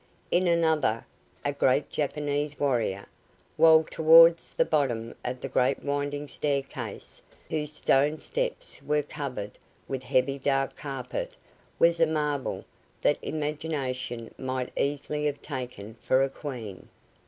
In another, a great Japanese warrior, while towards the bottom of the great winding staircase, whose stone steps were covered with heavy dark carpet, was a marble, that imagination might easily have taken for a queen.